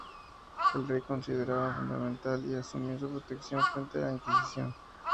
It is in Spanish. El Rey le consideraba fundamental y asumió su protección frente a la Inquisición.